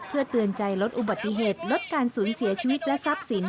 เพื่อเตือนใจลดอุบัติเหตุลดการสูญเสียชีวิตและทรัพย์สิน